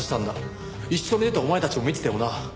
一緒に出たお前たちも見てたよな。